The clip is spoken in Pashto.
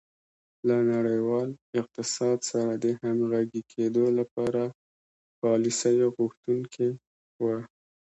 له نړیوال اقتصاد سره د همغږي کېدو لپاره پالیسیو غوښتونکې وه.